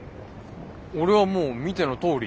俺はもう見てのとおり。